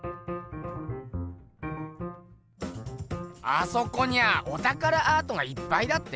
あそこにゃおたからアートがいっぱいだって？